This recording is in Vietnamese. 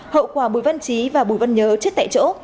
hậu quả bùi văn trí và bùi văn nhớ chết tại chỗ